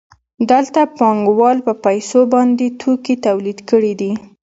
دلته پانګوال په پیسو باندې توکي تولید کړي دي